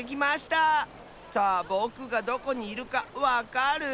さあぼくがどこにいるかわかる？